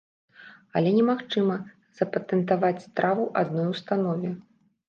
Але немагчыма запатэнтаваць страву адной установе.